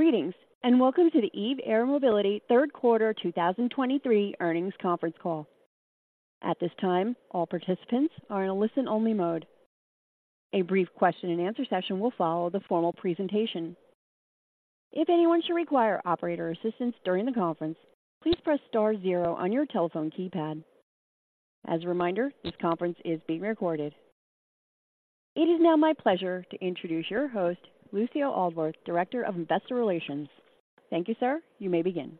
Greetings, and welcome to the Eve Air Mobility Third Quarter 2023 Earnings Conference Call. At this time, all participants are in a listen-only mode. A brief question and answer session will follow the formal presentation. If anyone should require operator assistance during the conference, please press star zero on your telephone keypad. As a reminder, this conference is being recorded. It is now my pleasure to introduce your host, Lucio Aldworth, Director of Investor Relations. Thank you, sir. You may begin.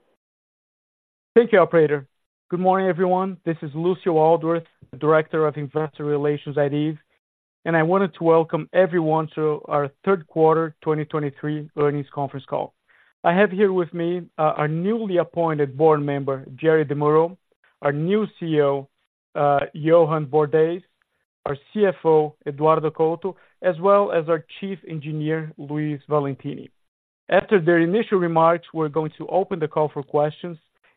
Thank you, operator. Good morning, everyone. This is Lucio Aldworth, Director of Investor Relations at Eve, and I wanted to welcome everyone to our Third Quarter 2023 Earnings Conference Call. I have here with me our newly appointed board member, Jerry DeMuro, our new CEO, Johann Bordais, our CFO, Eduardo Couto, as well as our Chief Engineer, Luiz Valentini. After their initial remarks, we're going to open the call for questions,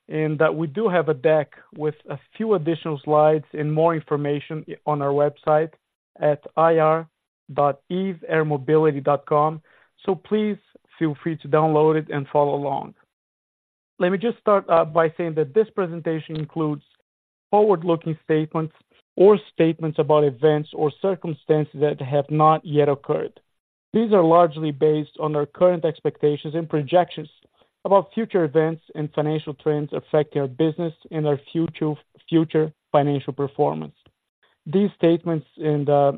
and we do have a deck with a few additional slides and more information on our website at ir.eveairmobility.com. So please feel free to download it and follow along. Let me just start by saying that this presentation includes forward-looking statements or statements about events or circumstances that have not yet occurred. These are largely based on our current expectations and projections about future events and financial trends affecting our business and our future, future financial performance. These statements and are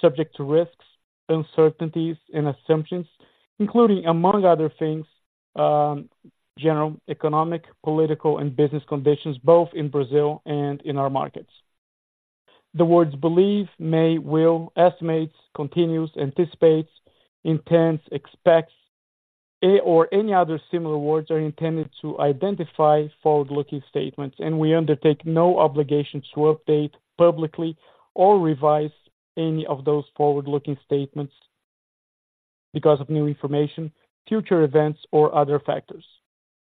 subject to risks, uncertainties, and assumptions, including, among other things, general economic, political, and business conditions, both in Brazil and in our markets. The words believe, may, will, estimates, continues, anticipates, intends, expects, a, or any other similar words are intended to identify forward-looking statements, and we undertake no obligation to update publicly or revise any of those forward-looking statements because of new information, future events, or other factors.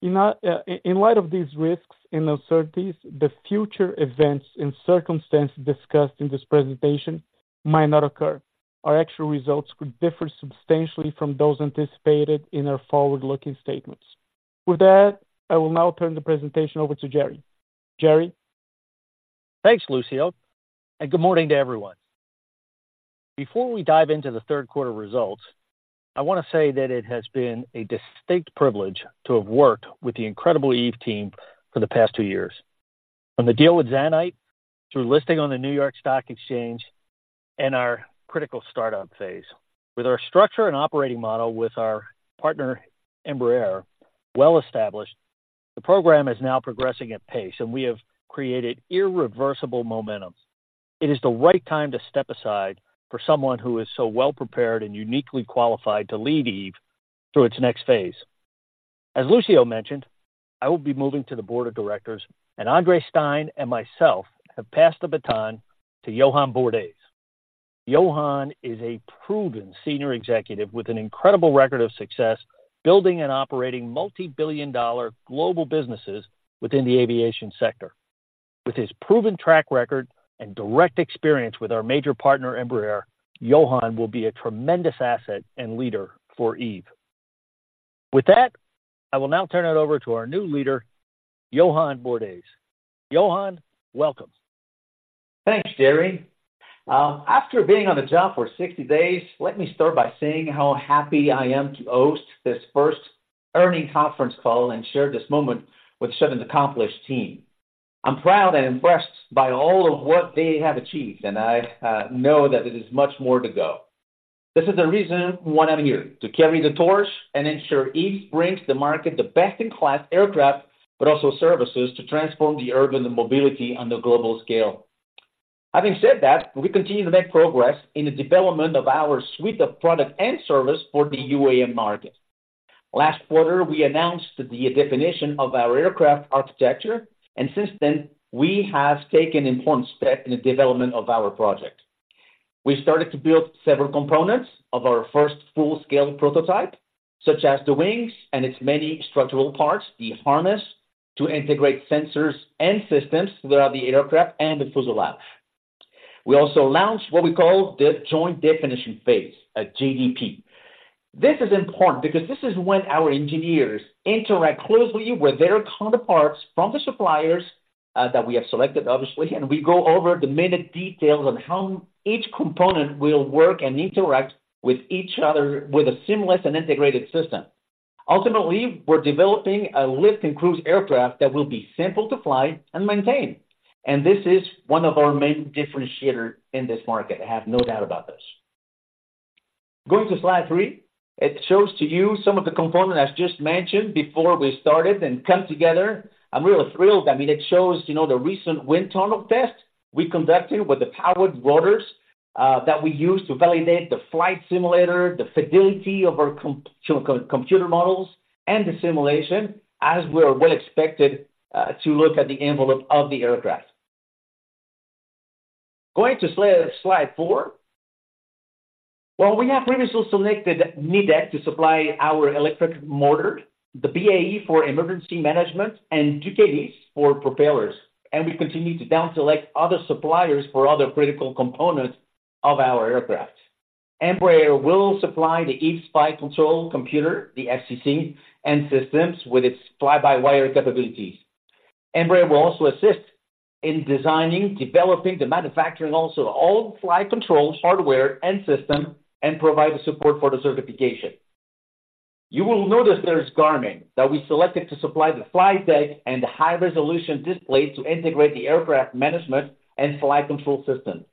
In light of these risks and uncertainties, the future events and circumstances discussed in this presentation might not occur. Our actual results could differ substantially from those anticipated in our forward-looking statements. With that, I will now turn the presentation over to Jerry. Jerry? Thanks, Lucio, and good morning to everyone. Before we dive into the third quarter results, I want to say that it has been a distinct privilege to have worked with the incredible Eve team for the past two years. From the deal with Zanite, through listing on the New York Stock Exchange and our critical startup phase. With our structure and operating model with our partner, Embraer, well established, the program is now progressing at pace, and we have created irreversible momentum. It is the right time to step aside for someone who is so well-prepared and uniquely qualified to lead Eve through its next phase. As Lucio mentioned, I will be moving to the board of directors, and Andre Stein and myself have passed the baton to Johann Bordais. Johann is a proven senior executive with an incredible record of success, building and operating multi-billion dollar global businesses within the aviation sector. With his proven track record and direct experience with our major partner, Embraer, Johann will be a tremendous asset and leader for Eve. With that, I will now turn it over to our new leader, Johann Bordais. Johann, welcome. Thanks, Jerry. After being on the job for 60 days, let me start by saying how happy I am to host this first earnings conference call and share this moment with such an accomplished team. I'm proud and impressed by all of what they have achieved, and I know that it is much more to go. This is the reason why I'm here, to carry the torch and ensure Eve brings the market the best-in-class aircraft, but also services to transform the urban mobility on the global scale. Having said that, we continue to make progress in the development of our suite of product and service for the UAM market. Last quarter, we announced the definition of our aircraft architecture, and since then, we have taken important steps in the development of our project. We started to build several components of our first full-scale prototype, such as the wings and its many structural parts, the harness, to integrate sensors and systems throughout the aircraft and the fuselage. We also launched what we call the Joint Definition Phase, a JDP. This is important because this is when our engineers interact closely with their counterparts from the suppliers, that we have selected, obviously, and we go over the minute details on how each component will work and interact with each other with a seamless and integrated system. Ultimately, we're developing a lift and cruise aircraft that will be simple to fly and maintain, and this is one of our main differentiator in this market. I have no doubt about this. Going to Slide three, it shows to you some of the components I just mentioned before we started and come together. I'm really thrilled. I mean, it shows, you know, the recent wind tunnel test we conducted with the powered rotors, that we use to validate the flight simulator, the fidelity of our computer models, and the simulation, as we are well expected to look at the envelope of the aircraft. Going to Slide four. Well, we have previously selected Nidec to supply our electric motor, BAE for energy management, and DUC for propellers, and we continue to downselect other suppliers for other critical components of our aircraft. Embraer will supply the Eve flight control computer, the FCC, and systems with its fly-by-wire capabilities. Embraer will also assist in designing, developing, the manufacturing, and also all flight control hardware and system, and provide the support for the certification. You will notice there's Garmin, that we selected to supply the flight deck and the high-resolution display to integrate the aircraft management and flight control system.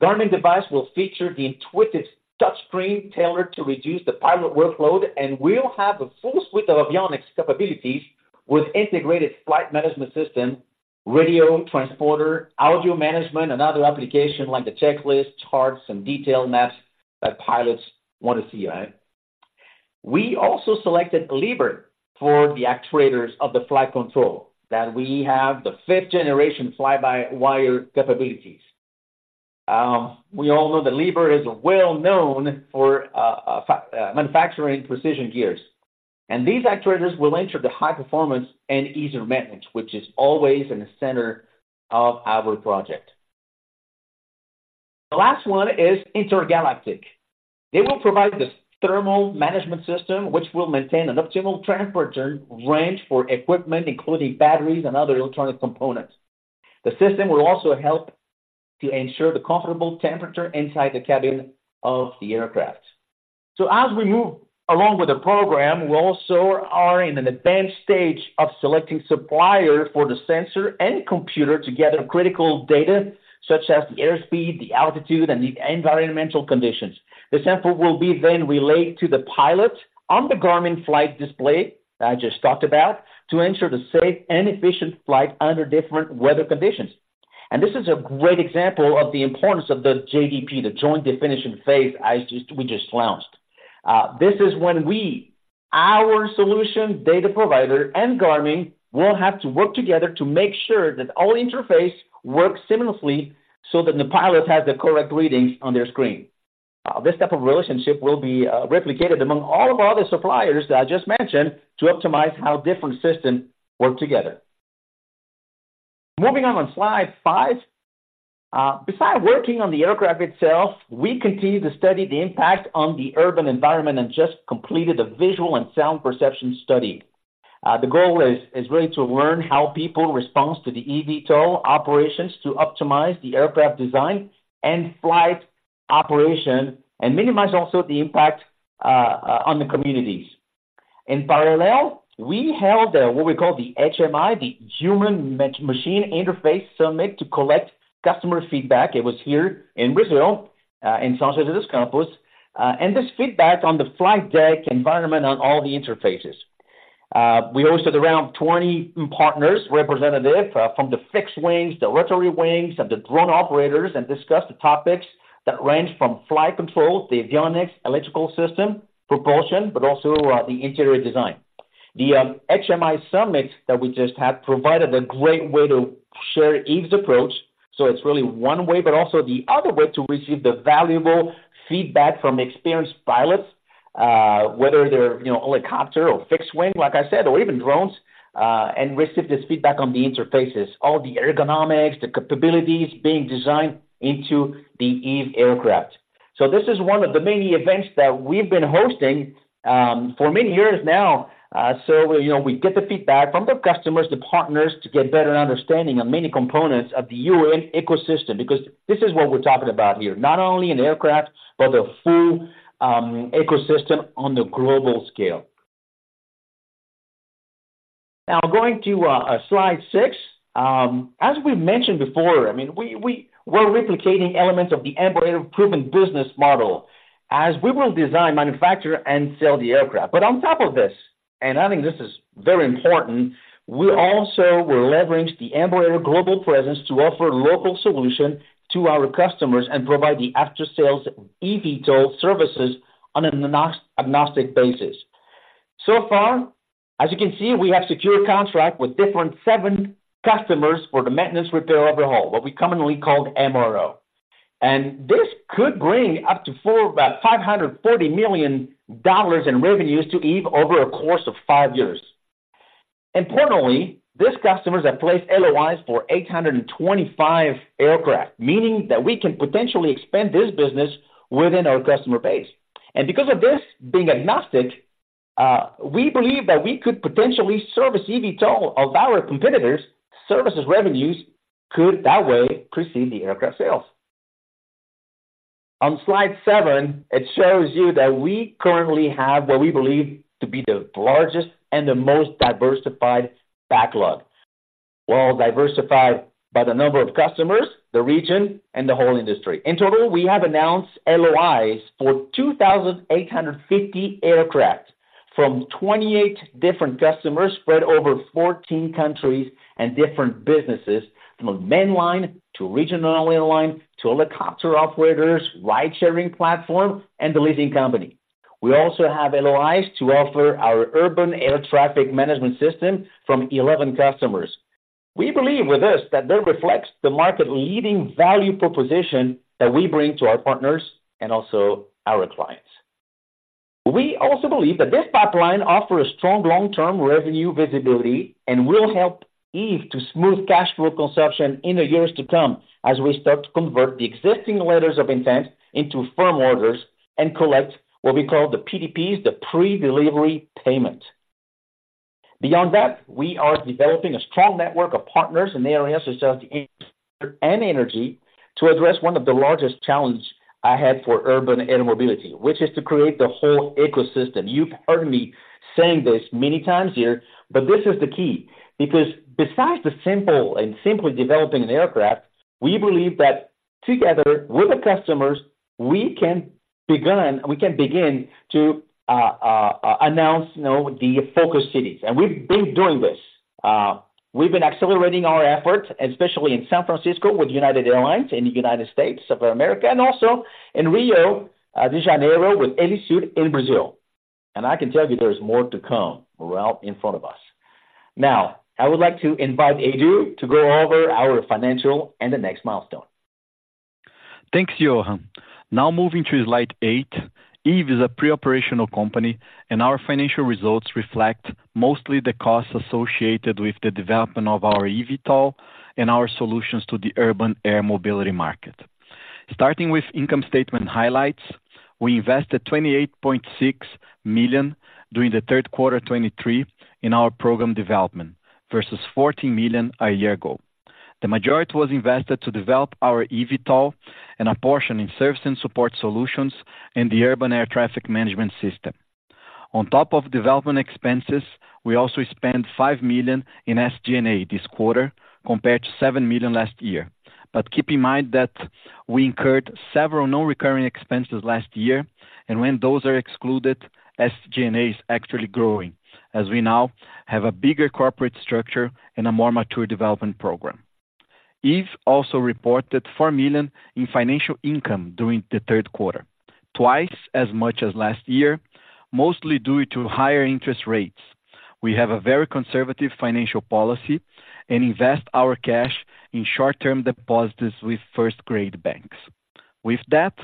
Garmin device will feature the intuitive touchscreen tailored to reduce the pilot workload, and will have a full suite of avionics capabilities with integrated flight management system, radio, transponder, audio management, and other application like the checklist, charts, and detail maps that pilots want to see, right? We also selected Liebherr for the actuators of the flight control, that we have the fifth-generation fly-by-wire capabilities. We all know that Liebherr is well-known for manufacturing precision gears. And these actuators will ensure the high performance and easier maintenance, which is always in the center of our project. The last one is Intergalactic. They will provide the thermal management system, which will maintain an optimal temperature range for equipment, including batteries and other electronic components. The system will also help to ensure the comfortable temperature inside the cabin of the aircraft. So as we move along with the program, we also are in an advanced stage of selecting supplier for the sensor and computer to gather critical data, such as the airspeed, the altitude, and the environmental conditions. The sample will be then relayed to the pilot on the Garmin flight display, that I just talked about, to ensure the safe and efficient flight under different weather conditions. And this is a great example of the importance of the JDP, the Joint Definition Phase, we just launched. This is when we, our solution data provider, and Garmin, will have to work together to make sure that all interface works seamlessly, so that the pilot has the correct readings on their screen. This type of relationship will be replicated among all of our other suppliers that I just mentioned, to optimize how different system work together. Moving on, on Slide five. Besides working on the aircraft itself, we continue to study the impact on the urban environment and just completed a visual and sound perception study. The goal is really to learn how people responds to the eVTOL operations to optimize the aircraft design and flight operation, and minimize also the impact on the communities. In parallel, we held what we call the HMI, the Human-Machine Interface Summit, to collect customer feedback. It was here in Brazil, in São José dos Campos, and this feedback on the flight deck environment on all the interfaces. We hosted around 20 partners, representative, from the fixed wings, the rotary wings, and the drone operators, and discussed the topics that range from flight control, the avionics, electrical system, propulsion, but also, the interior design. The HMI summit that we just had provided a great way to share Eve's approach, so it's really one way, but also the other way to receive the valuable feedback from experienced pilots, whether they're, you know, helicopter or fixed wing, like I said, or even drones, and receive this feedback on the interfaces, all the ergonomics, the capabilities being designed into the Eve aircraft. So this is one of the many events that we've been hosting for many years now, you know, we get the feedback from the customers, the partners, to get better understanding of many components of the UAM ecosystem, because this is what we're talking about here, not only an aircraft, but the full ecosystem on the global scale. Now, going to Slide six. As we mentioned before, I mean, we're replicating elements of the Embraer proven business model, as we will design, manufacture, and sell the aircraft. But on top of this, and I think this is very important, we also will leverage the Embraer global presence to offer local solution to our customers and provide the after-sales eVTOL services on an agnostic basis. So far, as you can see, we have secured contract with different 7 customers for the maintenance, repair, overhaul, what we commonly call MRO. This could bring up to about $540 million in revenues to Eve over a course of 5 years. Importantly, these customers have placed LOIs for 825 aircraft, meaning that we can potentially expand this business within our customer base. Because of this being agnostic, we believe that we could potentially service eVTOL of our competitors. Services revenues could that way precede the aircraft sales. On Slide seven, it shows you that we currently have what we believe to be the largest and the most diversified backlog. Well, diversified by the number of customers, the region, and the whole industry. In total, we have announced LOIs for 2,850 aircraft from 28 different customers, spread over 14 countries and different businesses, from mainline to regional airline to helicopter operators, ride-sharing platform, and the leasing company. We also have LOIs to offer our urban air traffic management system from 11 customers. We believe with this, that that reflects the market-leading value proposition that we bring to our partners and also our clients. We also believe that this pipeline offers a strong long-term revenue visibility and will help Eve to smooth cash flow consumption in the years to come, as we start to convert the existing letters of intent into firm orders and collect what we call the PDPs, the Pre-Delivery Payment. Beyond that, we are developing a strong network of partners in the airspace industry and energy to address one of the largest challenge I had for urban air mobility, which is to create the whole ecosystem. You've heard me saying this many times here, but this is the key. Because besides the simple and simply developing an aircraft, we believe that together with the customers, we can begin to announce, you know, the focus cities, and we've been doing this. We've been accelerating our efforts, especially in San Francisco, with United Airlines in the United States of America, and also in Rio de Janeiro, with Helisul in Brazil. And I can tell you there is more to come right in front of us. Now, I would like to invite Edu to go over our financial and the next milestone. Thanks, Johann. Now moving to Slide eight. Eve is a pre-operational company, and our financial results reflect mostly the costs associated with the development of our eVTOL and our solutions to the urban air mobility market. Starting with income statement highlights, we invested $28.6 million during the third quarter of 2023 in our program development versus $14 million a year ago. The majority was invested to develop our eVTOL and a portion in service and support solutions and the urban air traffic management system. On top of development expenses, we also spent $5 million in SG&A this quarter, compared to $7 million last year. Keep in mind that we incurred several non-recurring expenses last year, and when those are excluded, SG&A is actually growing, as we now have a bigger corporate structure and a more mature development program. Eve also reported $4 million in financial income during the third quarter, twice as much as last year, mostly due to higher interest rates. We have a very conservative financial policy and invest our cash in short-term deposits with first-grade banks. With that,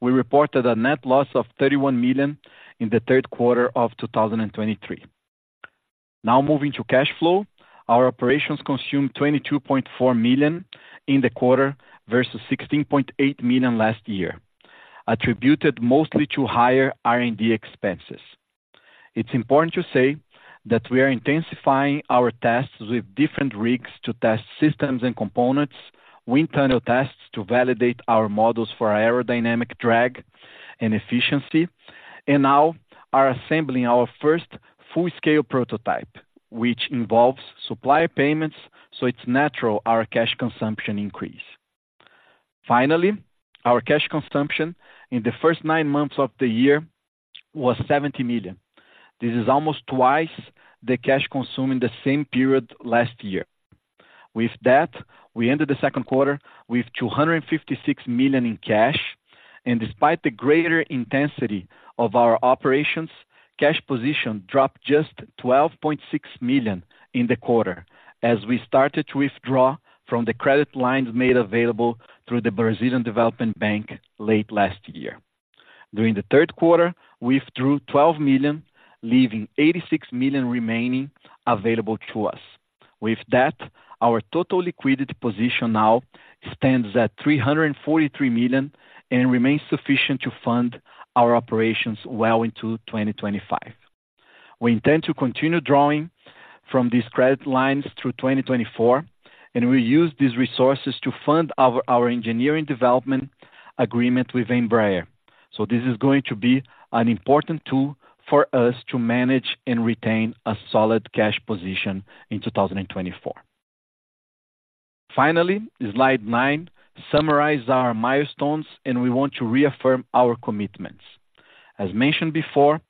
we reported a net loss of $31 million in the third quarter of 2023. Now moving to cash flow. Our operations consumed $22.4 million in the quarter versus $16.8 million last year, attributed mostly to higher R&D expenses. It's important to say that we are intensifying our tests with different rigs to test systems and components, wind tunnel tests to validate our models for aerodynamic drag and efficiency, and now are assembling our first full-scale prototype, which involves supplier payments, so it's natural our cash consumption increase. Finally, our cash consumption in the first nine months of the year was $70 million. This is almost twice the cash consumed in the same period last year. With that, we ended the second quarter with $256 million in cash, and despite the greater intensity of our operations, cash position dropped just $12.6 million in the quarter as we started to withdraw from the credit lines made available through the Brazilian Development Bank late last year. During the third quarter, we withdrew $12 million, leaving $86 million remaining available to us. With that, our total liquidity position now stands at $343 million and remains sufficient to fund our operations well into 2025. We intend to continue drawing from these credit lines through 2024, and we use these resources to fund our engineering development agreement with Embraer. So this is going to be an important tool for us to manage and retain a solid cash position in 2024. Finally, Slide nine summarizes our milestones, and we want to reaffirm our commitments. As mentioned before,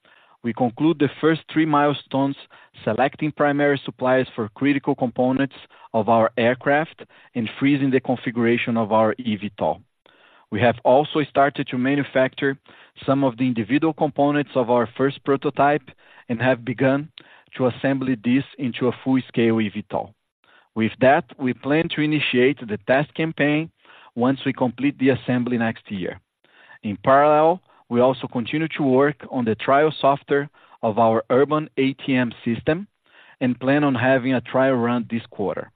we conclude the first three milestones, selecting primary suppliers for critical components of our aircraft and freezing the configuration of our eVTOL. We have also started to manufacture some of the individual components of our first prototype and have begun to assemble this into a full-scale eVTOL. With that, we plan to initiate the test campaign once we complete the assembly next year. In parallel, we also continue to work on the trial software of our urban ATM system and plan on having a trial run this quarter.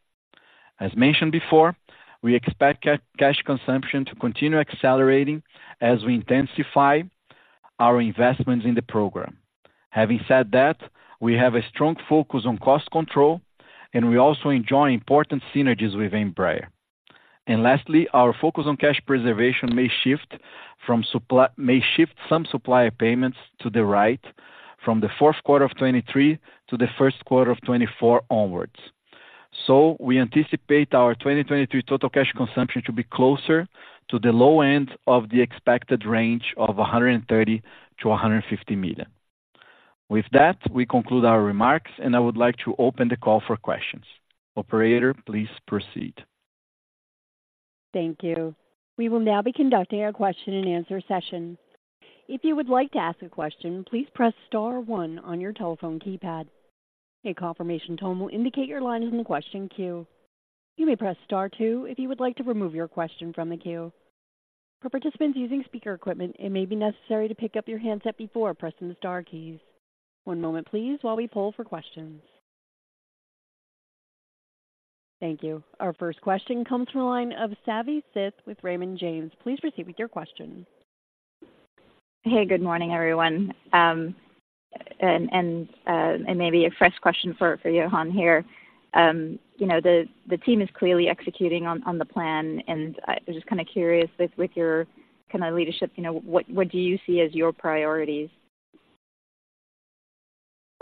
As mentioned before, we expect cash consumption to continue accelerating as we intensify our investments in the program. Having said that, we have a strong focus on cost control, and we also enjoying important synergies with Embraer. Lastly, our focus on cash preservation may shift some supplier payments to the right from the fourth quarter of 2023 to the first quarter of 2024 onwards. We anticipate our 2023 total cash consumption to be closer to the low end of the expected range of $130 million-$150 million. With that, we conclude our remarks, and I would like to open the call for questions. Operator, please proceed. Thank you. We will now be conducting a question-and-answer session. If you would like to ask a question, please press star one on your telephone keypad. A confirmation tone will indicate your line is in the question queue. You may press star two if you would like to remove your question from the queue. For participants using speaker equipment, it may be necessary to pick up your handset before pressing the star keys. One moment please, while we poll for questions. Thank you. Our first question comes from the line of Savi Syth with Raymond James. Please proceed with your question. Hey, good morning, everyone. It may be a fresh question for Johann here. You know, the team is clearly executing on the plan, and I was just kind of curious with your kind of leadership, you know, what do you see as your priorities? Oh,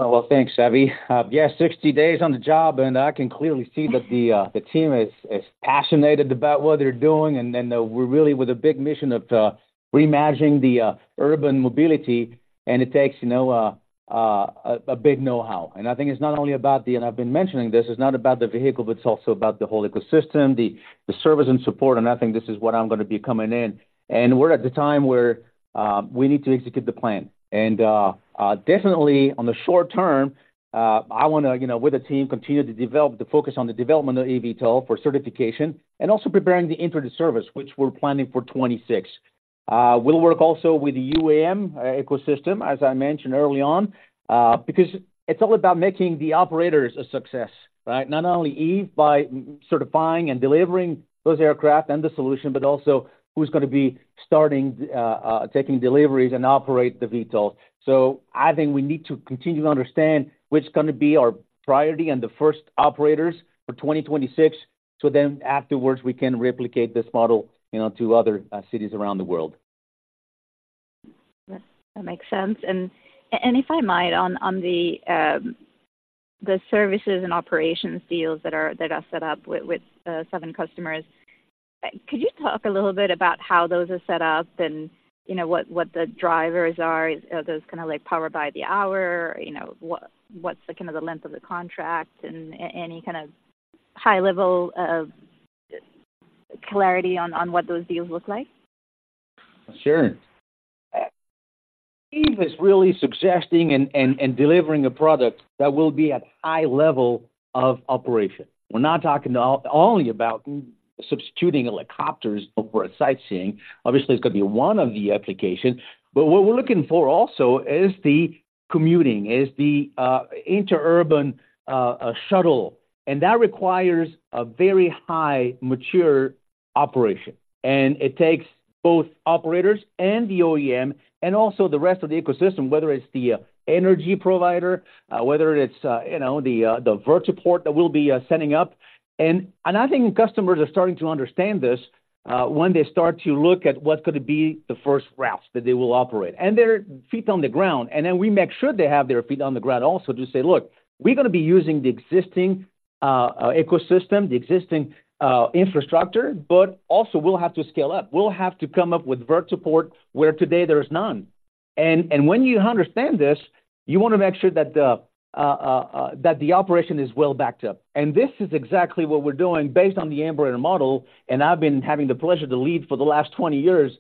well, thanks, Savi. Yes, 60 days on the job, and I can clearly see that the team is passionate about what they're doing, and we're really with a big mission of reimagining the urban mobility, and it takes, you know, a big know-how. And I think it's not only about the... And I've been mentioning this, it's not about the vehicle, but it's also about the whole ecosystem, the service and support, and I think this is what I'm going to be coming in. And we're at the time where we need to execute the plan. And definitely on the short term, I want to, you know, with the team, continue to develop the focus on the development of eVTOL for certification and also preparing to enter the service, which we're planning for 2026. We'll work also with the UAM ecosystem, as I mentioned early on, because it's all about making the operators a success, right? Not only Eve, by certifying and delivering those aircraft and the solution, but also who's going to be starting, taking deliveries and operate the eVTOL. So I think we need to continue to understand which is going to be our priority and the first operators for 2026, so then afterwards, we can replicate this model, you know, to other cities around the world. That makes sense. And if I might, on the services and operations deals that are set up with seven customers, could you talk a little bit about how those are set up and you know, what the drivers are? Are those kind of like power by the hour, you know, what's the kind of length of the contract and any kind of high level of clarity on what those deals look like? Sure. Eve is really suggesting and delivering a product that will be at high level of operation. We're not talking only about substituting helicopters for a sightseeing. Obviously, it's going to be one of the applications, but what we're looking for also is the commuting, is the interurban shuttle, and that requires a very high mature operation, and it takes both operators and the OEM and also the rest of the ecosystem, whether it's the energy provider, whether it's you know, the vertiport that we'll be setting up. I think customers are starting to understand this when they start to look at what could it be the first routes that they will operate. have their feet on the ground, and then we make sure they have their feet on the ground also to say: Look, we're going to be using the existing ecosystem, the existing infrastructure, but also we'll have to scale up. We'll have to come up with vertiport, where today there is none. When you understand this, you want to make sure that the operation is well backed up. This is exactly what we're doing based on the Embraer model, and I've been having the pleasure to lead for the last 20 years.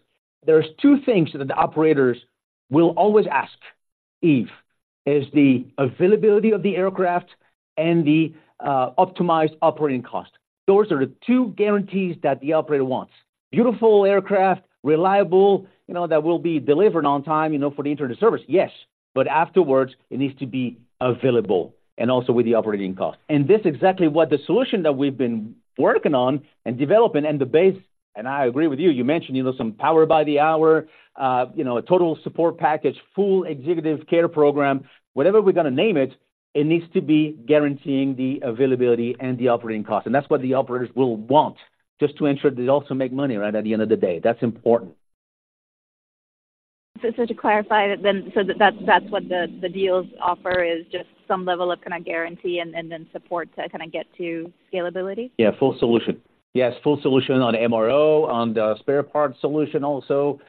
There are two things that the operators will always ask Eve: the availability of the aircraft and the optimized operating cost. Those are the two guarantees that the operator wants. Beautiful aircraft, reliable, you know, that will be delivered on time, you know, for the entry into service, yes, but afterwards, it needs to be available and also with the operating cost. This is exactly what the solution that we've been working on and developing and the base, and I agree with you, you mentioned, you know, some power by the hour, you know, a total support package, full executive care program. Whatever we're going to name it, it needs to be guaranteeing the availability and the operating cost, and that's what the operators will want just to ensure they also make money, right, at the end of the day. That's important. So, to clarify, then, that's what the deals offer is just some level of kind of guarantee and then support to kind of get to scalability? Yeah, full solution. Yes, full solution on MRO, on the spare parts solution, also,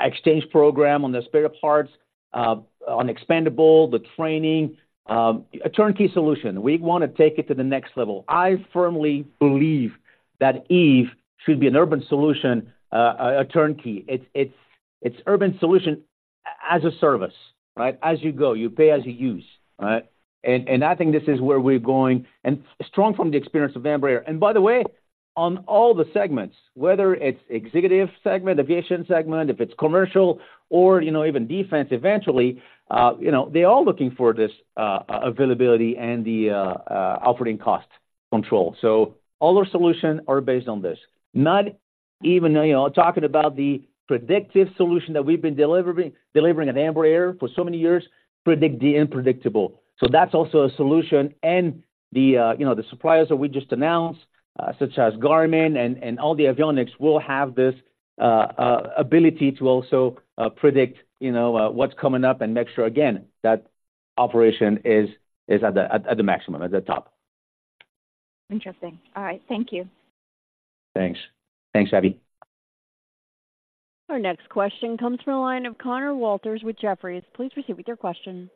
exchange program on the spare parts, on expendables, the training, a turnkey solution. We want to take it to the next level. I firmly believe that Eve should be an urban solution, a turnkey. It's, it's, it's urban solution as a service, right? As you go, you pay as you use, right? And, and I think this is where we're going, and strong from the experience of Embraer. And by the way, on all the segments, whether it's executive segment, aviation segment, if it's commercial or, you know, even defense, eventually, you know, they're all looking for this, operating cost control. So all our solutions are based on this. Not even, you know, talking about the predictive solution that we've been delivering at Embraer for so many years, predict the unpredictable. So that's also a solution, and the, you know, the suppliers that we just announced, such as Garmin and all the avionics will have this ability to also predict, you know, what's coming up and make sure, again, that operation is at the maximum, at the top. Interesting. All right. Thank you. Thanks. Thanks, Savi. Our next question comes from the line of Conor Walters with Jefferies. Please proceed with your question.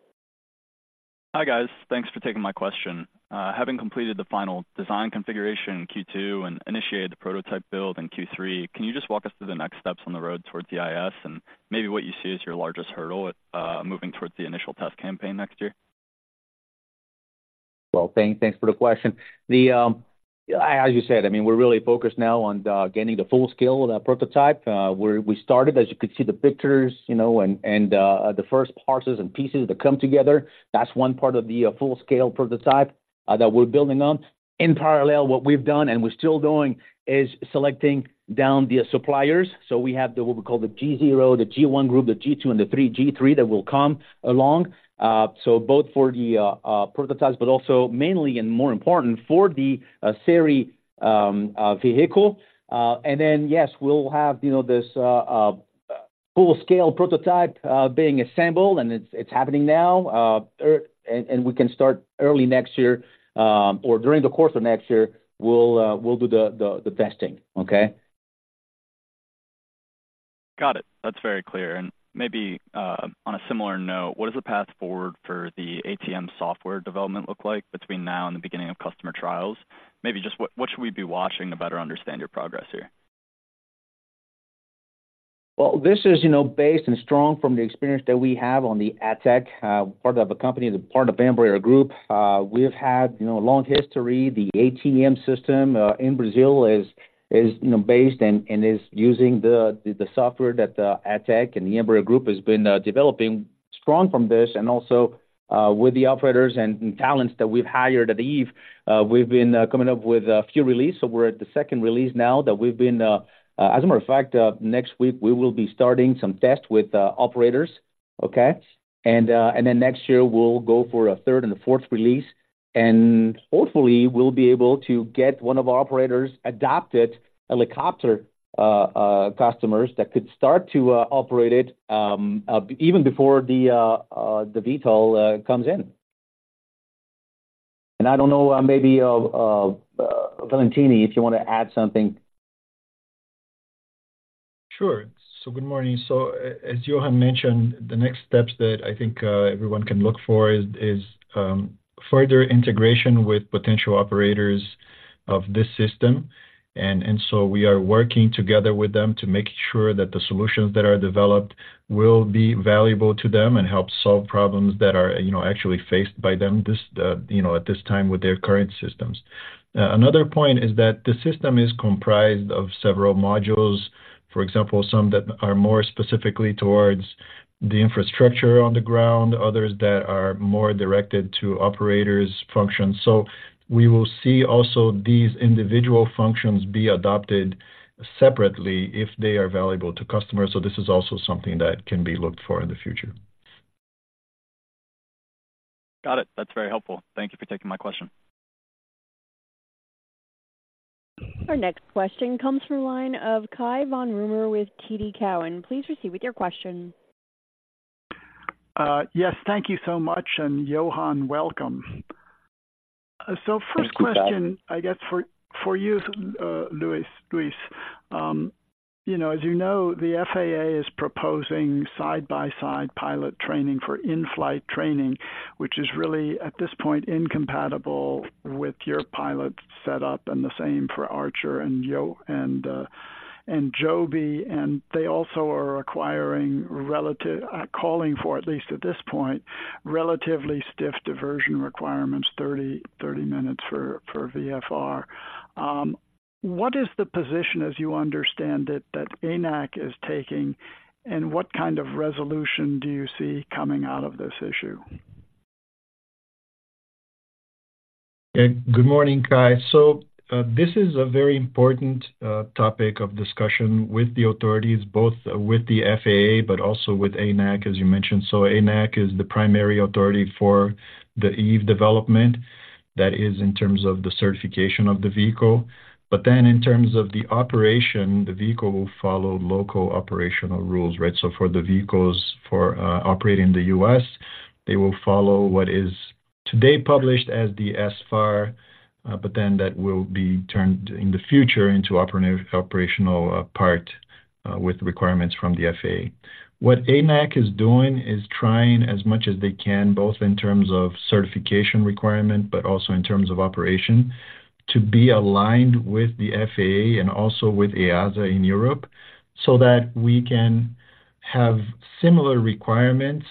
Hi, guys. Thanks for taking my question. Having completed the final design configuration in Q2 and initiated the prototype build in Q3, can you just walk us through the next steps on the road towards the EIS and maybe what you see as your largest hurdle, moving towards the initial test campaign next year? Well, thanks for the question. As you said, I mean, we're really focused now on getting the full-scale prototype. We started, as you could see, the pictures, you know, and the first parts and pieces that come together. That's one part of the full-scale prototype that we're building on. In parallel, what we've done, and we're still doing, is selecting down the suppliers. So we have the what we call the G0, the G1 group, the G2, and the three G3 that will come along. So both for the prototype, but also mainly and more important for the series vehicle. And then, yes, we'll have, you know, this full-scale prototype being assembled, and it's happening now. We can start early next year, or during the course of next year, we'll do the testing. Okay? Got it. That's very clear. And maybe, on a similar note, what does the path forward for the ATM software development look like between now and the beginning of customer trials? Maybe just what should we be watching to better understand your progress here? Well, this is, you know, based and strong from the experience that we have on the Atech, part of the company, the part of Embraer group. We've had, you know, a long history. The ATM system in Brazil is, is, you know, based and, and is using the, the, the software that Atech and the Embraer group has been developing strong from this. And also, with the operators and talents that we've hired at Eve, we've been coming up with a few releases, so we're at the second release now that we've been... As a matter of fact, next week we will be starting some tests with operators. Okay? And then next year we'll go for a third and a fourth release, and hopefully, we'll be able to get one of our operators adopted helicopter customers that could start to operate it, even before the the VTOL comes in. And I don't know, maybe Valentini, if you want to add something. Sure. So good morning. So as Johann mentioned, the next steps that I think everyone can look for is further integration with potential operators of this system. And so we are working together with them to make sure that the solutions that are developed will be valuable to them and help solve problems that are actually faced by them at this time with their current systems. Another point is that the system is comprised of several modules, for example, some that are more specifically towards the infrastructure on the ground, others that are more directed to operators' functions. So we will see also these individual functions be adopted separately if they are valuable to customers. So this is also something that can be looked for in the future. Got it. That's very helpful. Thank you for taking my question. Our next question comes from line of Cai von Rumohr with TD Cowen. Please proceed with your question. Yes, thank you so much, and Johann, welcome. Thank you, Cai. So first question, I guess, for you, Luiz. You know, as you know, the FAA is proposing side-by-side pilot training for in-flight training, which is really, at this point, incompatible with your pilot setup, and the same for Archer and Yo, and Joby. And they also are calling for, at least at this point, relatively stiff diversion requirements, 30 minutes for VFR. What is the position as you understand it, that ANAC is taking, and what kind of resolution do you see coming out of this issue? Okay. Good morning, Kai. So, this is a very important topic of discussion with the authorities, both with the FAA but also with ANAC, as you mentioned. So ANAC is the primary authority for the Eve development. That is, in terms of the certification of the vehicle. But then in terms of the operation, the vehicle will follow local operational rules, right? So for the vehicles operating in the U.S., they will follow what is today published as the SFAR, but then that will be turned in the future into operational part with requirements from the FAA. What ANAC is doing is trying as much as they can, both in terms of certification requirement, but also in terms of operation, to be aligned with the FAA and also with EASA in Europe, so that we can have similar requirements,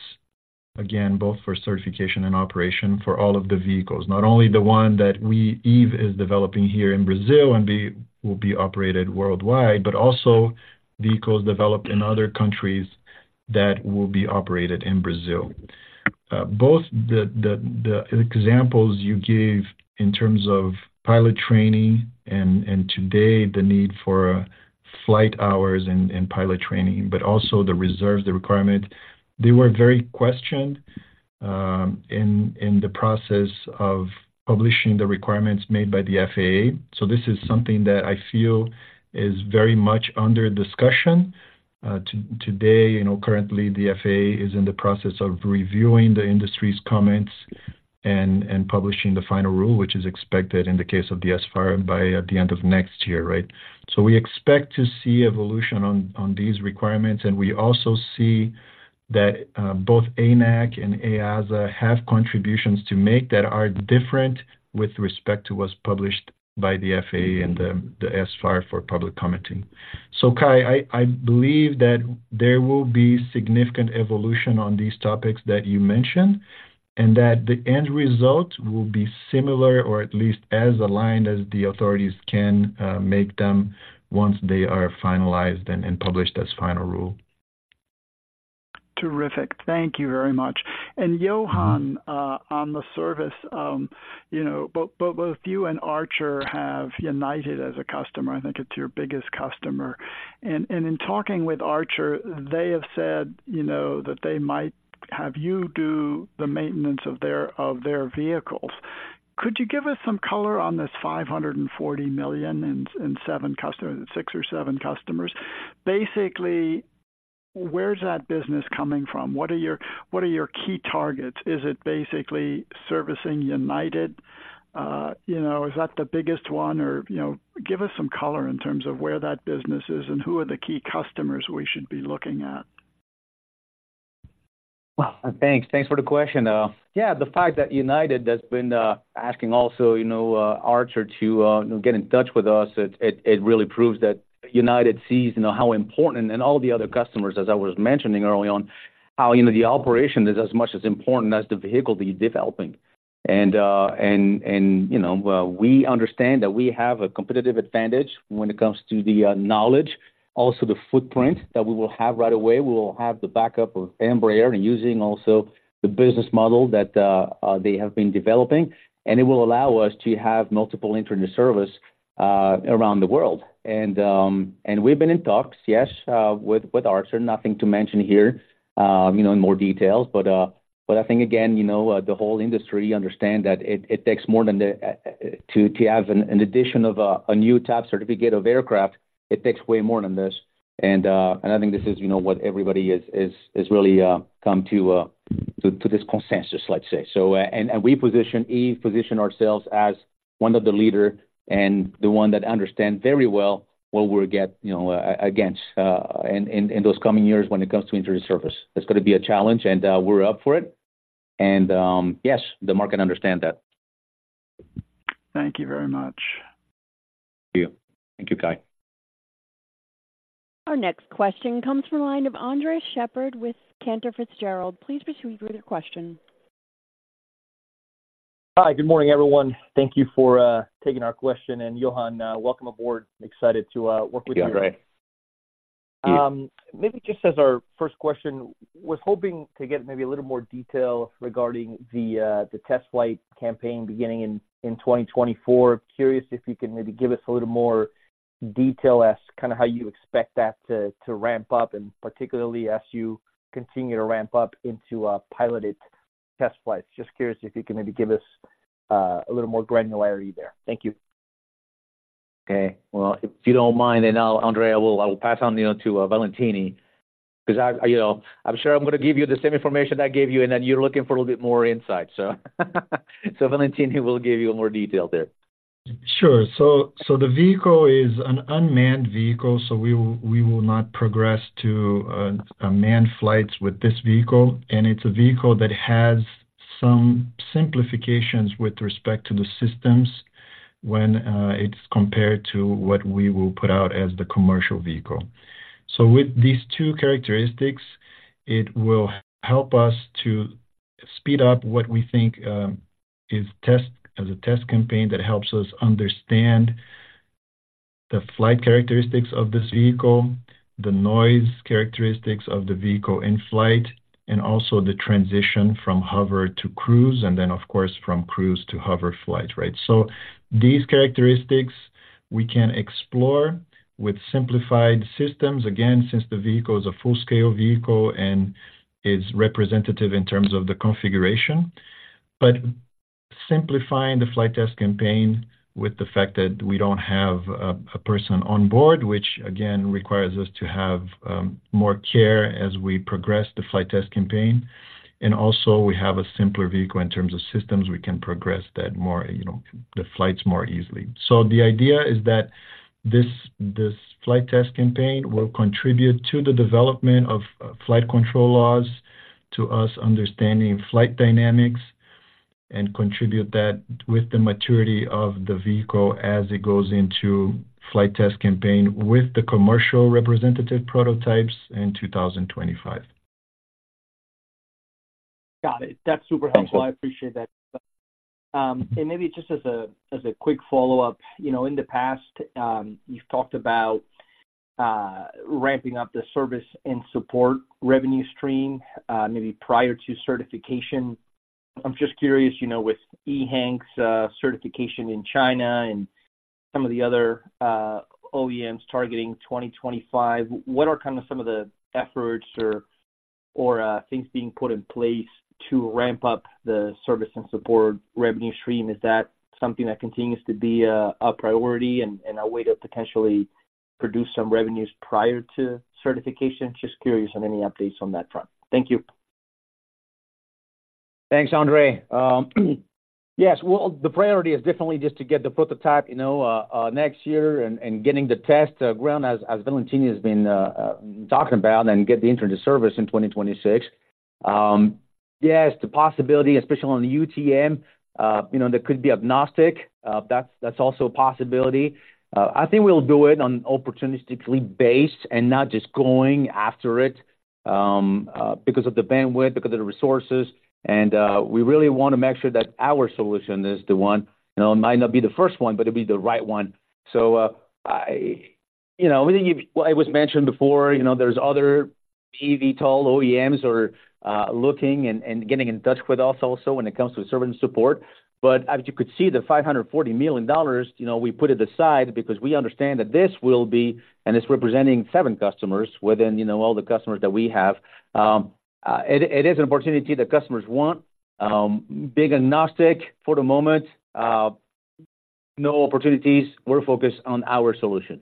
again, both for certification and operation for all of the vehicles. Not only the one that we, Eve, is developing here in Brazil and will be operated worldwide, but also vehicles developed in other countries that will be operated in Brazil. Both the examples you gave in terms of pilot training and today, the need for flight hours and pilot training, but also the reserves, the requirement, they were very questioned in the process of publishing the requirements made by the FAA. So this is something that I feel is very much under discussion. Today, you know, currently the FAA is in the process of reviewing the industry's comments and publishing the final rule, which is expected in the case of the SFAR by the end of next year, right? So we expect to see evolution on these requirements, and we also see that both ANAC and EASA have contributions to make that are different with respect to what's published by the FAA and the SFAR for public commenting. So, Kai, I believe that there will be significant evolution on these topics that you mentioned, and that the end result will be similar or at least as aligned as the authorities can make them once they are finalized and published as final rule. Terrific. Thank you very much. And Johann, on the service, you know, both, both you and Archer have United as a customer. I think it's your biggest customer. And, and in talking with Archer, they have said, you know, that they might have you do the maintenance of their, of their vehicles. Could you give us some color on this $540 million in seven customers, six or seven customers? Basically, where's that business coming from? What are your, what are your key targets? Is it basically servicing United? You know, is that the biggest one? Or, you know, give us some color in terms of where that business is and who are the key customers we should be looking at. Well, thanks. Thanks for the question, though. Yeah, the fact that United has been asking also, you know, Archer to, you know, get in touch with us, it really proves that United sees, you know, how important and all the other customers, as I was mentioning early on, how, you know, the operation is as much as important as the vehicle that you're developing. And, and, you know, we understand that we have a competitive advantage when it comes to the knowledge, also the footprint that we will have right away. We will have the backup of Embraer and using also the business model that they have been developing, and it will allow us to have multiple MRO services around the world. We've been in talks, yes, with Archer, nothing to mention here, you know, in more details. But I think, again, you know, the whole industry understand that it takes more than the to have an addition of a new type certificate of aircraft, it takes way more than this. And I think this is, you know, what everybody is really come to this consensus, let's say. So, and we position, Eve position ourselves as one of the leader and the one that understand very well what we're get, you know, against in those coming years when it comes to infrastructure. It's gonna be a challenge, and we're up for it, and yes, the market understand that. Thank you very much. Thank you. Thank you, Kai. Our next question comes from the line of Andres Sheppard with Cantor Fitzgerald. Please proceed with your question. Hi, good morning, everyone. Thank you for taking our question, and Johann, welcome aboard. Excited to work with you. Hi, Andres. Maybe just as our first question, was hoping to get maybe a little more detail regarding the test flight campaign beginning in 2024. Curious if you can maybe give us a little more detail as kinda how you expect that to ramp up, and particularly as you continue to ramp up into a piloted test flight. Just curious if you can maybe give us a little more granularity there. Thank you. Okay. Well, if you don't mind, then I'll, Andre, I will pass on, you know, to Valentini, 'cause I, you know, I'm sure I'm gonna give you the same information I gave you, and then you're looking for a little bit more insight. So Valentini will give you more detail there. Sure. So, so the vehicle is an unmanned vehicle, so we will, we will not progress to a manned flights with this vehicle. And it's a vehicle that has some simplifications with respect to the systems when it's compared to what we will put out as the commercial vehicle. So with these two characteristics, it will help us to speed up what we think as a test campaign that helps us understand the flight characteristics of this vehicle, the noise characteristics of the vehicle in flight, and also the transition from hover to cruise, and then, of course, from cruise to hover flight, right? So these characteristics we can explore with simplified systems. Again, since the vehicle is a full-scale vehicle and is representative in terms of the configuration. But simplifying the flight test campaign with the fact that we don't have a person on board, which again requires us to have more care as we progress the flight test campaign, and also we have a simpler vehicle in terms of systems, we can progress that more, you know, the flights more easily. So the idea is that this flight test campaign will contribute to the development of flight control laws, to us understanding flight dynamics, and contribute that with the maturity of the vehicle as it goes into flight test campaign with the commercial representative prototypes in 2025. Got it. That's super helpful. Thank you. I appreciate that. And maybe just as a quick follow-up, you know, in the past, you've talked about ramping up the service and support revenue stream, maybe prior to certification. I'm just curious, you know, with EHang's certification in China and some of the other OEMs targeting 2025, what are kind of some of the efforts or things being put in place to ramp up the service and support revenue stream? Is that something that continues to be a priority and a way to potentially produce some revenues prior to certification? Just curious on any updates on that front. Thank you. Thanks, Andre. Yes, well, the priority is definitely just to get the prototype, you know, next year and getting the test ground as Valentini has been talking about and get the entry into service in 2026. Yes, the possibility, especially on the UTM, you know, there could be agnostic. That's also a possibility. I think we'll do it opportunistically based and not just going after it because of the bandwidth, because of the resources. And we really want to make sure that our solution is the one. You know, it might not be the first one, but it'll be the right one. So, you know, I think it was mentioned before, you know, there's other eVTOL OEMs are looking and getting in touch with us also when it comes to service and support. But as you could see, the $540 million, you know, we put it aside because we understand that this will be, and it's representing seven customers within, you know, all the customers that we have. It is an opportunity that customers want. Big agnostic for the moment. No opportunities. We're focused on our solution.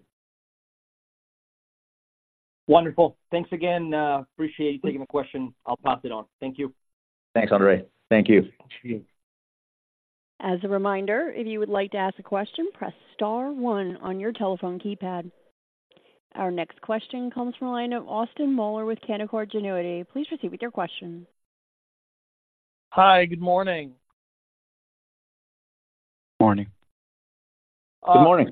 Wonderful. Thanks again. Appreciate you taking my question. I'll pass it on. Thank you. Thanks, Andres. Thank you. As a reminder, if you would like to ask a question, press star one on your telephone keypad. Our next question comes from the line of Austin Moeller with Canaccord Genuity. Please proceed with your question. Hi. Good morning. Morning. Good morning.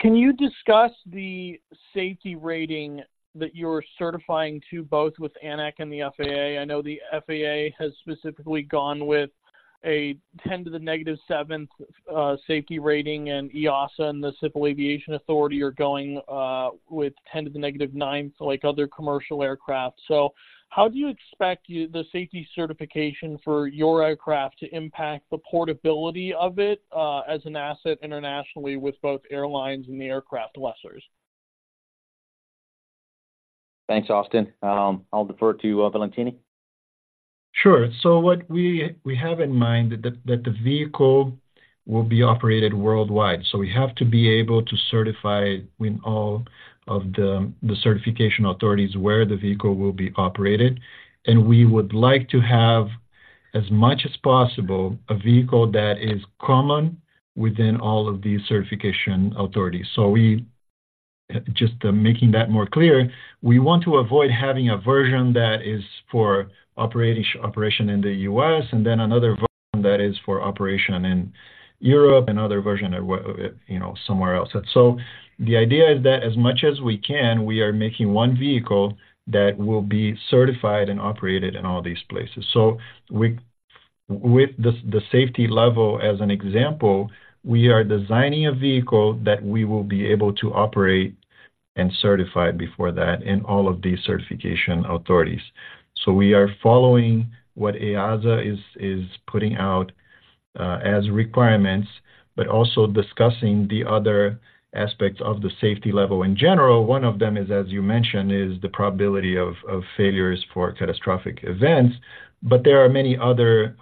Can you discuss the safety rating that you're certifying to both with ANAC and the FAA? I know the FAA has specifically gone with a 10 to the negative seventh safety rating, and EASA and the Civil Aviation Authority are going with 10 to the negative ninth, like other commercial aircraft. So how do you expect the safety certification for your aircraft to impact the portability of it as an asset internationally with both airlines and the aircraft lessors? Thanks, Austin. I'll defer to Valentini. Sure. So what we have in mind is that the vehicle will be operated worldwide. So we have to be able to certify with all of the certification authorities where the vehicle will be operated. And we would like to have, as much as possible, a vehicle that is common within all of these certification authorities. So just making that more clear, we want to avoid having a version that is for operation in the U.S. and then another version that is for operation in Europe and other version, you know, somewhere else. So the idea is that as much as we can, we are making one vehicle that will be certified and operated in all these places. So with the safety level, as an example, we are designing a vehicle that we will be able to operate and certify before that in all of these certification authorities. So we are following what EASA is putting out as requirements, but also discussing the other aspects of the safety level. In general, one of them is, as you mentioned, the probability of failures for catastrophic events, but there are many other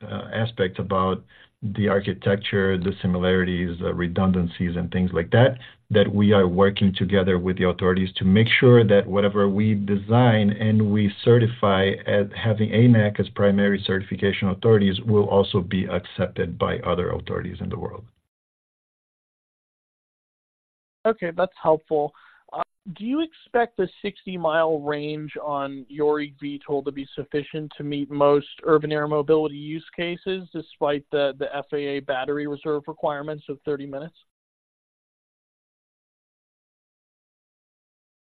aspects about the architecture, the similarities, the redundancies and things like that, that we are working together with the authorities to make sure that whatever we design and we certify as having ANAC as primary certification authorities will also be accepted by other authorities in the world. Okay, that's helpful. Do you expect the 60-mile range on your eVTOL to be sufficient to meet most urban air mobility use cases, despite the FAA battery reserve requirements of 30 minutes?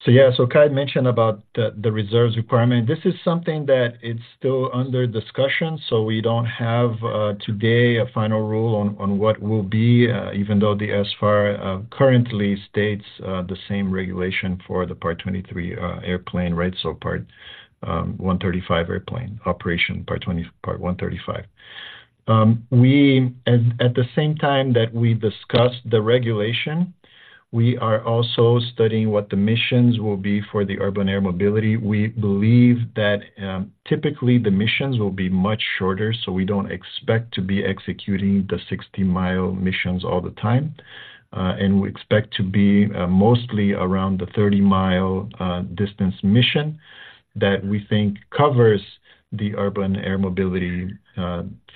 So, yeah, so Kai mentioned about the reserves requirement. This is something that it's still under discussion, so we don't have today a final rule on what will be, even though the SFAR currently states the same regulation for the Part 23 airplane, right? So Part 135 airplane—Operation Part 20, Part 135. We at the same time that we discuss the regulation, we are also studying what the missions will be for the urban air mobility. We believe that typically the missions will be much shorter, so we don't expect to be executing the 60-mile missions all the time. And we expect to be mostly around the 30-mile distance mission that we think covers the urban air mobility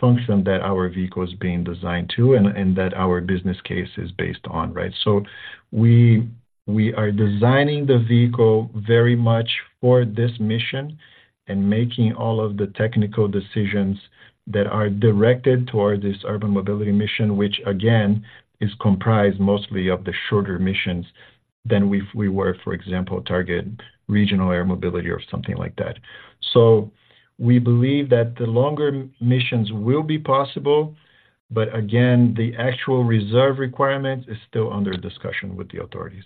function that our vehicle is being designed to and, and that our business case is based on, right? So we are designing the vehicle very much for this mission and making all of the technical decisions that are directed towards this urban mobility mission, which again, is comprised mostly of the shorter missions than if we were, for example, target regional air mobility or something like that. So we believe that the longer missions will be possible, but again, the actual reserve requirement is still under discussion with the authorities.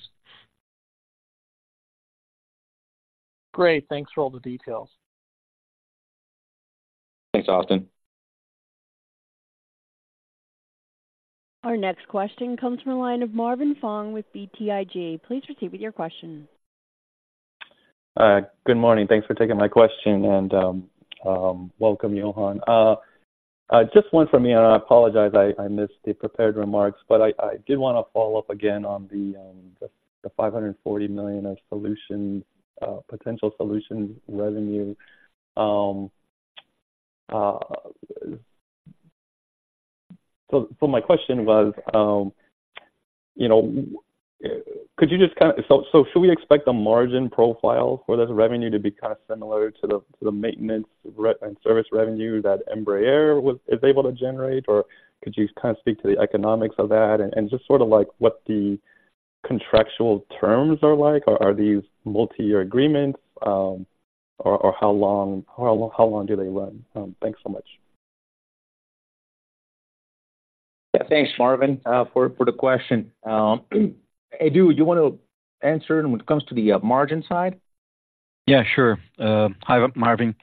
Great. Thanks for all the details. Thanks, Austin. Our next question comes from the line of Marvin Fong with BTIG. Please proceed with your question. Good morning. Thanks for taking my question, and welcome, Johann. Just one from me, and I apologize I missed the prepared remarks, but I did want to follow up again on the $540 million of solution potential solution revenue. So my question was, you know, should we expect the margin profile for this revenue to be kind of similar to the maintenance and service revenue that Embraer was, is able to generate? Or could you kind of speak to the economics of that and just sort of like what the contractual terms are like? Are these multiyear agreements, or how long do they run? Thanks so much. Yeah. Thanks, Marvin, for the question. Edu, do you wanna answer when it comes to the margin side? Yeah, sure. Hi, Marvin.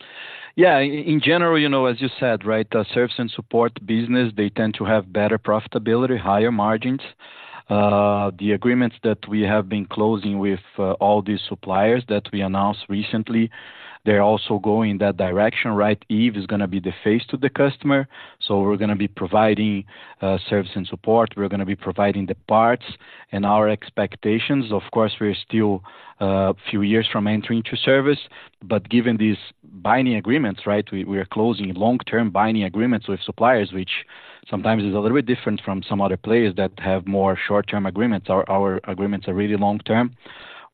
Yeah, in general, you know, as you said, right, service and support business, they tend to have better profitability, higher margins. The agreements that we have been closing with all these suppliers that we announced recently, they're also going in that direction, right? Eve is gonna be the face to the customer, so we're gonna be providing service and support. We're gonna be providing the parts and our expectations. Of course, we're still few years from entering to service, but given these binding agreements, right, we are closing long-term binding agreements with suppliers, which sometimes is a little bit different from some other players that have more short-term agreements. Our agreements are really long term.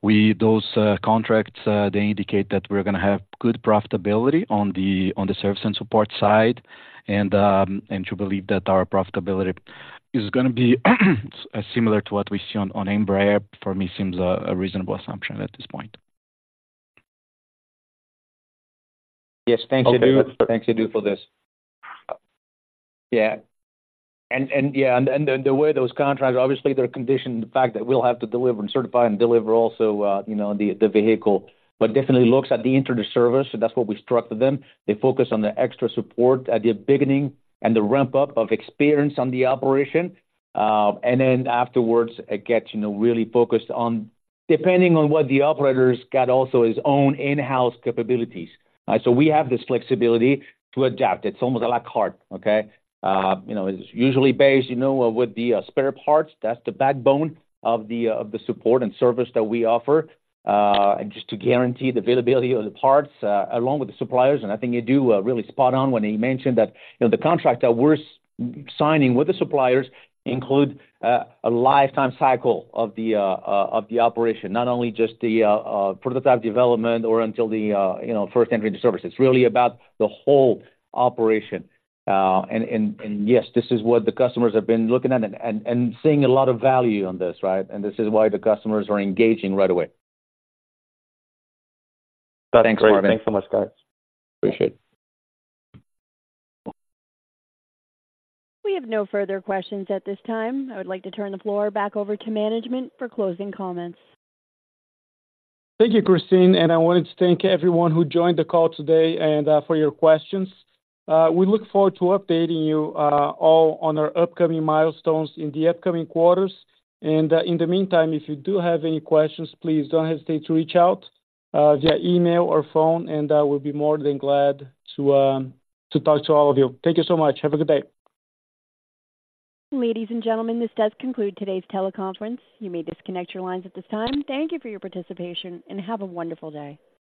Those contracts, they indicate that we're gonna have good profitability on the service and support side, and, and to believe that our profitability is gonna be similar to what we see on Embraer, for me, seems a reasonable assumption at this point. Yes. Thanks, Edu. Okay. Thanks, Edu, for this. Yeah, and the way those contracts, obviously, they're conditioned on the fact that we'll have to deliver and certify and deliver also, you know, the vehicle, but definitely looks at the entry into service, so that's what we struck with them. They focus on the extra support at the beginning and the ramp up of experience on the operation, and then afterwards, it gets, you know, really focused on depending on what the operators got also his own in-house capabilities. So we have this flexibility to adapt. It's almost à la carte, okay? You know, it's usually based, you know, with the spare parts. That's the backbone of the support and service that we offer. And just to guarantee the availability of the parts along with the suppliers, and I think Edu really spot on when he mentioned that, you know, the contract that we're signing with the suppliers include a lifetime cycle of the operation, not only just the prototype development or until the first entry into service. It's really about the whole operation. And yes, this is what the customers have been looking at and seeing a lot of value on this, right? And this is why the customers are engaging right away. Thanks, Marvin. Thanks so much, guys. Appreciate it. We have no further questions at this time. I would like to turn the floor back over to management for closing comments. Thank you, Christine, and I wanted to thank everyone who joined the call today and for your questions. We look forward to updating you all on our upcoming milestones in the upcoming quarters. In the meantime, if you do have any questions, please don't hesitate to reach out via email or phone, and we'll be more than glad to to talk to all of you. Thank you so much. Have a good day. Ladies and gentlemen, this does conclude today's teleconference. You may disconnect your lines at this time. Thank you for your participation, and have a wonderful day.